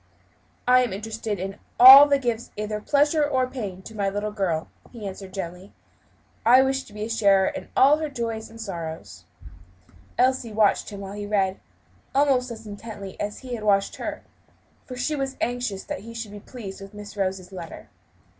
"I am interested in all that gives either pleasure or pain to my little girl," he answered gently. "I wish to be a sharer in all her joys and sorrows." Elsie watched him while he read, almost as intently as he had watched her; for she was anxious that he should be pleased with Miss Rose's letter.